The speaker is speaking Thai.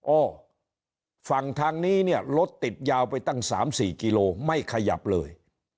อ้อฝั่งทางนี้เนี่ยรถติดยาวไปตั้ง๓๔กิโลไม่ขยับเลย